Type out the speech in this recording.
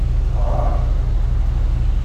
Γeṛ!